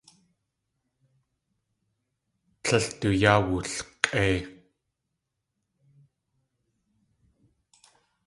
Tlél du yáa wulk̲ʼéi.